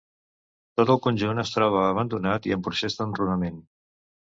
Tot el conjunt es troba abandonat i en procés d'enrunament.